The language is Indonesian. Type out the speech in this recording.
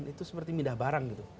itu seperti pindah barang